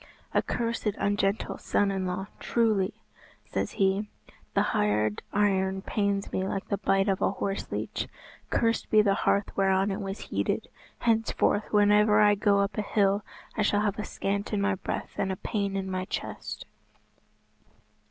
"A cursed ungentle son in law, truly," says he, "the hard iron pains me like the bite of a horse leech. Cursed be the hearth whereon it was heated! Henceforth whenever I go up a hill, I shall have a scant in my breath and a pain in my chest."